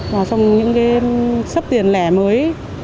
vào trong những cái sắp tiền lẻ mới